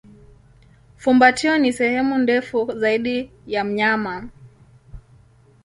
Fumbatio ni sehemu ndefu zaidi ya mnyama.